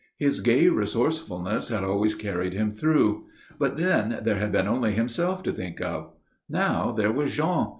His gay resourcefulness had always carried him through. But then there had been only himself to think of. Now there was Jean.